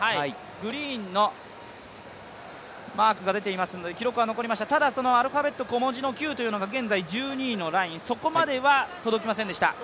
グリーンのマークが出ていますので記録は残りましたが、アルファベット、小文字のＱというのが現在１２位のライン、そこまでは届きませんでした。